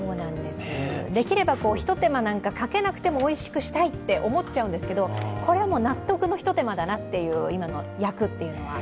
できればひと手間なんかかけなくても、おいしくしたいと思っちゃうんですけどこれは納得のひと手間だなと、今の焼くというのは。